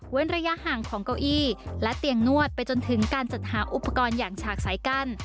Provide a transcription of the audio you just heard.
ระยะห่างของเก้าอี้และเตียงนวดไปจนถึงการจัดหาอุปกรณ์อย่างฉากสายกั้น